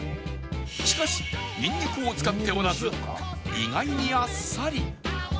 しかしニンニクを使っておらず意外にあっさり